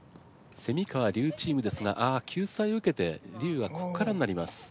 川・笠チームですがああ救済を受けて笠はこっからになります。